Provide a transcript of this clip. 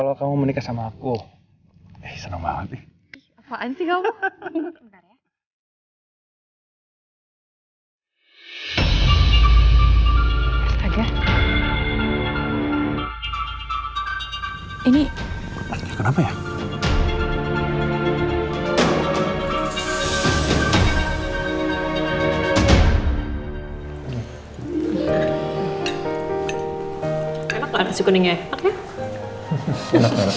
buat saya dikurang ke sana kiri udah baik awsemu nah